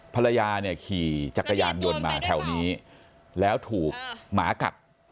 ภรรยาเนี่ยขี่จักรยานยนต์มาแถวนี้แล้วถูกหมากัด